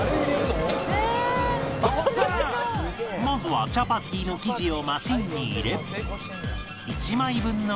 まずはチャパティの生地をマシンに入れ